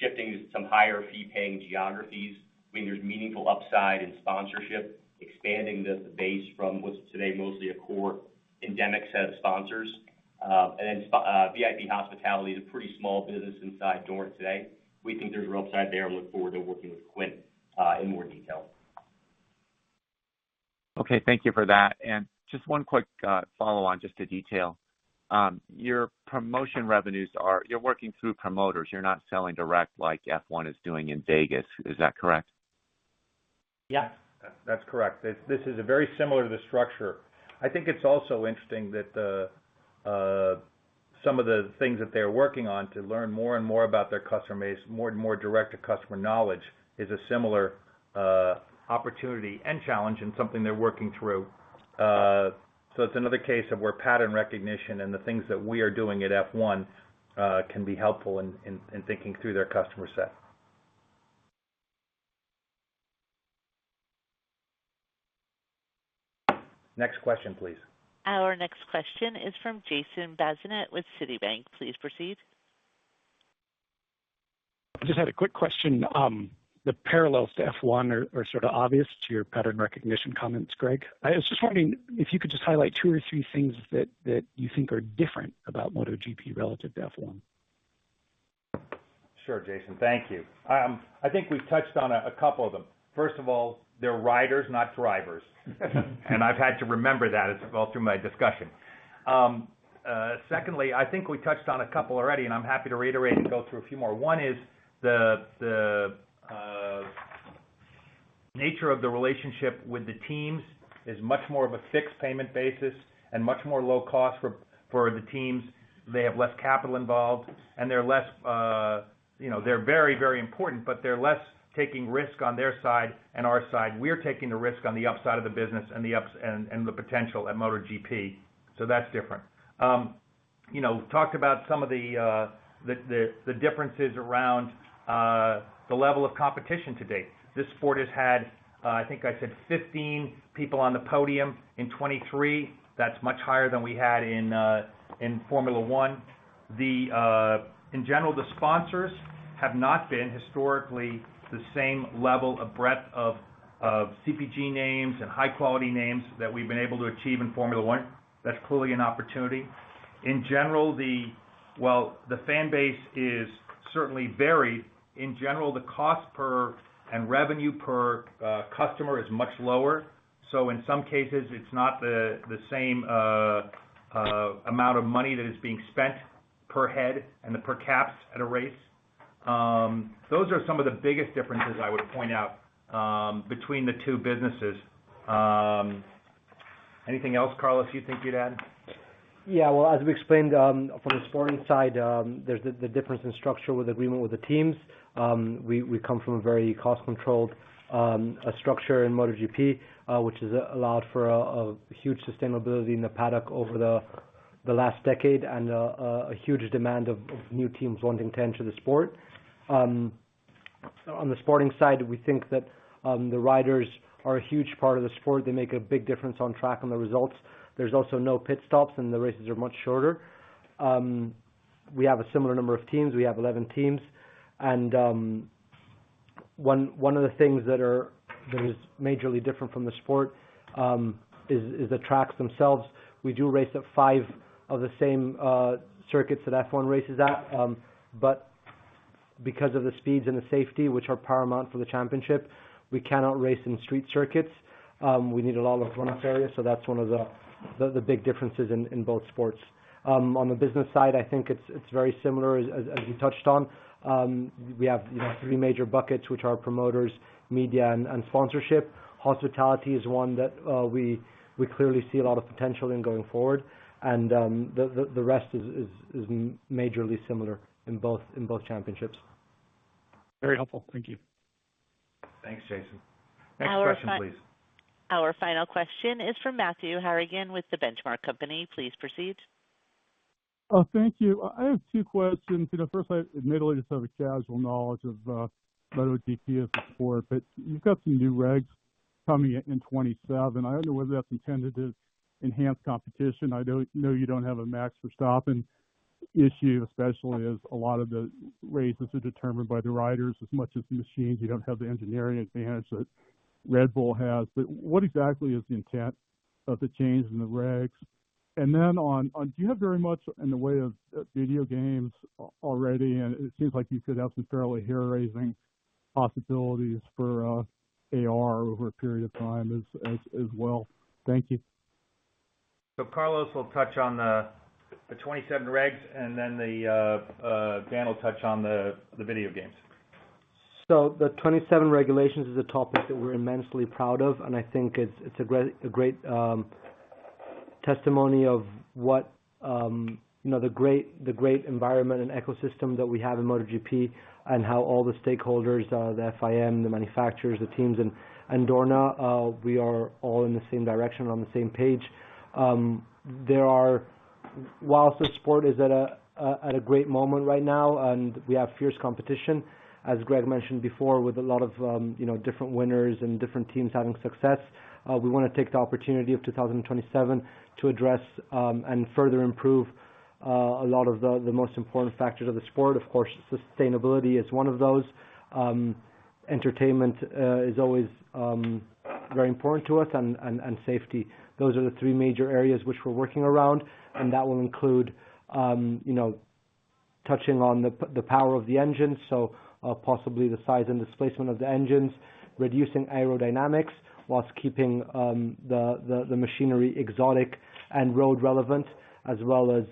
shifting to some higher-fee-paying geographies, meaning there's meaningful upside in sponsorship, expanding the base from what's today mostly a core endemic set of sponsors. And then VIP hospitality is a pretty small business inside Dorna today. We think there's real upside there, and we look forward to working with Quint in more detail. Okay. Thank you for that. And just one quick follow-on, just a detail. Your promotion revenues, you're working through promoters. You're not selling direct like F1 is doing in Vegas. Is that correct? Yeah. That's correct. This is very similar to the structure. I think it's also interesting that some of the things that they're working on to learn more and more about their customer base, more and more direct-to-customer knowledge, is a similar opportunity and challenge and something they're working through. So it's another case of where pattern recognition and the things that we are doing at F1 can be helpful in thinking through their customer set. Next question, please. Our next question is from Jason Bazinet with Citi. Please proceed. I just had a quick question. The parallels to F1 are sort of obvious to your pattern recognition comments, Greg. I was just wondering if you could just highlight two or three things that you think are different about MotoGP relative to F1. Sure, Jason. Thank you. I think we've touched on a couple of them. First of all, they're riders, not drivers. And I've had to remember that. It's all through my discussion. Secondly, I think we touched on a couple already, and I'm happy to reiterate and go through a few more. One is the nature of the relationship with the teams is much more of a fixed payment basis and much more low-cost for the teams. They have less capital involved, and they're less very, very important, but they're less taking risk on their side and our side. We're taking the risk on the upside of the business and the potential at MotoGP. So that's different. Talked about some of the differences around the level of competition to date. This sport has had, I think I said, 15 people on the podium in 2023. That's much higher than we had in Formula One. In general, the sponsors have not been, historically, the same level of breadth of CPG names and high-quality names that we've been able to achieve in Formula One. That's clearly an opportunity. Well, the fan base is certainly varied. In general, the cost per and revenue per customer is much lower. So in some cases, it's not the same amount of money that is being spent per head and per caps at a race. Those are some of the biggest differences, I would point out, between the two businesses. Anything else, Carlos, you think you'd add? Yeah. Well, as we explained from the sporting side, there's the difference in structure with agreement with the teams. We come from a very cost-controlled structure in MotoGP, which has allowed for a huge sustainability in the paddock over the last decade and a huge demand of new teams wanting to enter the sport. On the sporting side, we think that the riders are a huge part of the sport. They make a big difference on track and the results. There's also no pit stops, and the races are much shorter. We have a similar number of teams. We have 11 teams. And one of the things that is majorly different from the sport is the tracks themselves. We do race at five of the same circuits that F1 races at. But because of the speeds and the safety, which are paramount for the championship, we cannot race in street circuits. We need a lot of runoff area. So that's one of the big differences in both sports. On the business side, I think it's very similar, as you touched on. We have three major buckets, which are promoters, media, and sponsorship. Hospitality is one that we clearly see a lot of potential in going forward. The rest is majorly similar in both championships. Very helpful. Thank you. Thanks, Jason. Next question, please. Our final question is from Matthew Harrigan with The Benchmark Company. Please proceed. Thank you. I have two questions. First, I admittedly just have a casual knowledge of MotoGP as a sport, but you've got some new regs coming in 2027. I don't know whether that's intended to enhance competition. I know you don't have a Max Verstappen issue, especially as a lot of the races are determined by the riders as much as the machines. You don't have the engineering advantage that Red Bull has. But what exactly is the intent of the change in the regs? And then do you have very much. In the way of video games already, and it seems like you could have some fairly hair-raising possibilities for AR over a period of time as well. Thank you. So Carlos will touch on the 2027 regs, and then Dan will touch on the video games. So the 2027 regulations is a topic that we're immensely proud of, and I think it's a great testimony of the great environment and ecosystem that we have in MotoGP and how all the stakeholders, the FIM, the manufacturers, the teams, and Dorna, we are all in the same direction, on the same page. While the sport is at a great moment right now and we have fierce competition, as Greg mentioned before, with a lot of different winners and different teams having success, we want to take the opportunity of 2027 to address and further improve a lot of the most important factors of the sport. Of course, sustainability is one of those. Entertainment is always very important to us, and safety. Those are the three major areas which we're working around, and that will include touching on the power of the engines, so possibly the size and displacement of the engines, reducing aerodynamics while keeping the machinery exotic and road-relevant, as well as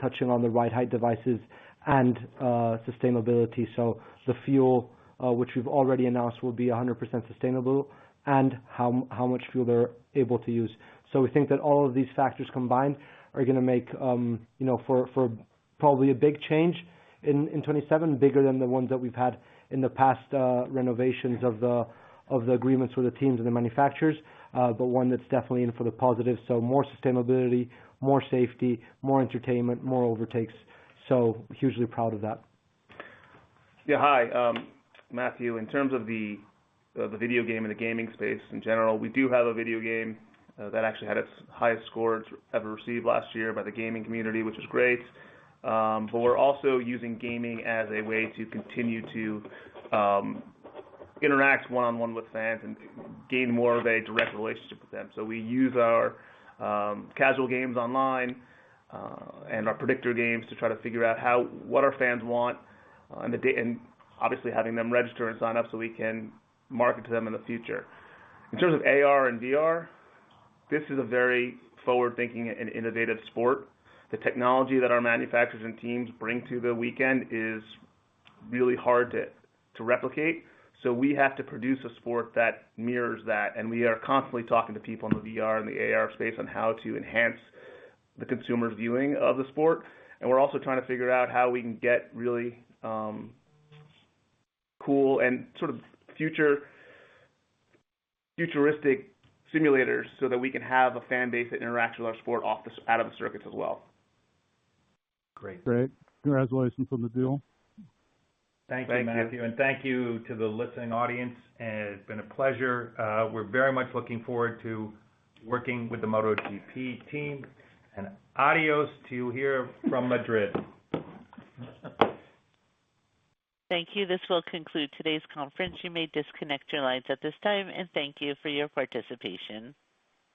touching on the ride-height devices and sustainability, so the fuel, which we've already announced will be 100% sustainable, and how much fuel they're able to use. So we think that all of these factors combined are going to make for probably a big change in 2027, bigger than the ones that we've had in the past renovations of the agreements with the teams and the manufacturers, but one that's definitely in for the positive. So more sustainability, more safety, more entertainment, more overtakes. So hugely proud of that. Yeah. Hi, Matthew. In terms of the video game and the gaming space in general, we do have a video game that actually had its highest scores ever received last year by the gaming community, which is great. But we're also using gaming as a way to continue to interact one-on-one with fans and gain more of a direct relationship with them. So we use our casual games online and our predictor games to try to figure out what our fans want and obviously having them register and sign up so we can market to them in the future. In terms of AR and VR, this is a very forward-thinking and innovative sport. The technology that our manufacturers and teams bring to the weekend is really hard to replicate. So we have to produce a sport that mirrors that, and we are constantly talking to people in the VR and the AR space on how to enhance the consumer's viewing of the sport. And we're also trying to figure out how we can get really cool and sort of futuristic simulators so that we can have a fan base that interacts with our sport out of the circuits as well. Great. Great. Congratulations on the deal. Thank you, Matthew. Thank you to the listening audience. It's been a pleasure. We're very much looking forward to working with the MotoGP team. Adios to you here from Madrid. Thank you. This will conclude today's conference. You may disconnect your lines at this time, and thank you for your participation.